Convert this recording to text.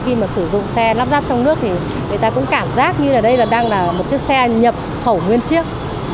khi mà sử dụng xe lắp ráp trong nước thì người ta cũng cảm giác như là đây là đang là một chiếc xe nhập khẩu nguyên chiếc